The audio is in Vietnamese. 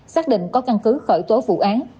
xác định có căn cứ khởi tố vụ án